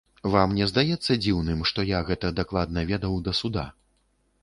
Вам не здаецца дзіўным, што я гэта дакладна ведаў да суда?